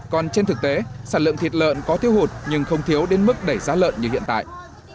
còn trên thực tế sản lượng thịt lợn có thiếu hụt nhưng không thiếu đến mức đẩy giá lợn như hiện tại